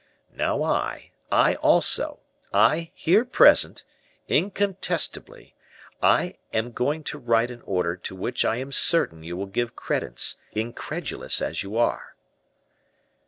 "Now, I I, also I, here present incontestably, I am going to write an order to which I am certain you will give credence, incredulous as you are!"